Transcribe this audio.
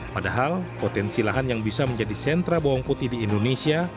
padahal potensi lahan yang bisa menjadi sentra bawang putih di indonesia